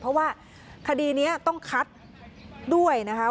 เพราะว่าคดีนี้ต้องคัดด้วยนะคะ